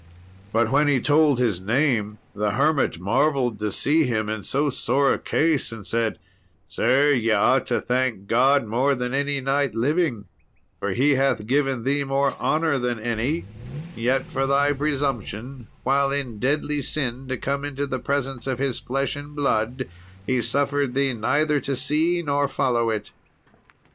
But when he told his name, the hermit marvelled to see him in so sore a case, and said, "Sir, ye ought to thank God more than any knight living, for He hath given thee more honour than any; yet for thy presumption, while in deadly sin to come into the presence of His flesh and blood, He suffered thee neither to see nor follow it.